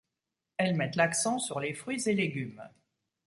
Elles mettent l'accent sur les fruits et légumes.